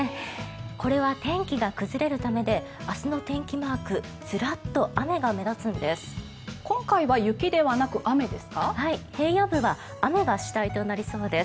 これは天気が崩れるためで明日の天気マークずらっと雨が目立つんです。